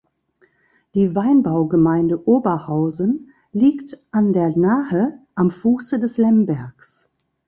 Die Weinbaugemeinde Oberhausen liegt an der Nahe am Fuße des Lembergs.